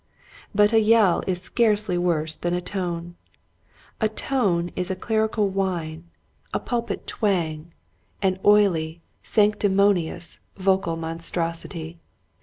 But a yell is scarcely worse than a tone. A tone is a clerical whine, a pulpit twang, Mannerisms. i J i an oily, sanctimonious, vocal monstrosity.